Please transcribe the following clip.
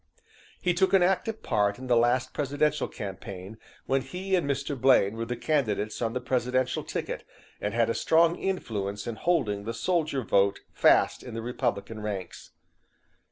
"He took an active part in the last presidential campaign, when he and Mr. Blaine were the candidates on the presidential ticket, and had a strong influence in holding the soldier vote fast in the Republican ranks."